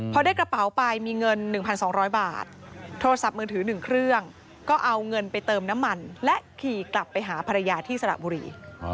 พอได้กระเป๋าไปมีเงิน๑๒๐๐บาทโทรศัพท์มือถือ๑เครื่องก็เอาเงินไปเติมน้ำมันและขี่กลับไปหาภรรยาที่สระบุรี